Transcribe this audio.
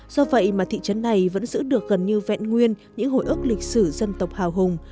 do vậy mà thị trấn này vẫn giữ được gần như vẹn nguyên những hồi ước lịch sử dân tộc hào hùng